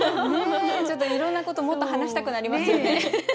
ちょっといろんなこともっと話したくなりますよね。